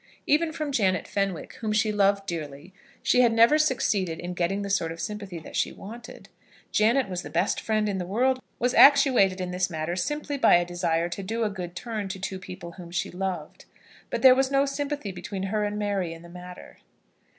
Even from Janet Fenwick, whom she loved dearly, she had never succeeded in getting the sort of sympathy that she wanted. Janet was the best friend in the world, was actuated in this matter simply by a desire to do a good turn to two people whom she loved. But there was no sympathy between her and Mary in the matter.